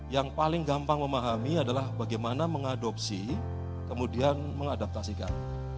yang paling gampang memahami adalah bagaimana mengadopsi kemudian mengadaptasikan